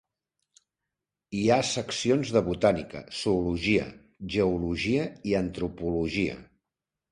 Hi ha seccions de botànica, zoologia, geologia i antropologia.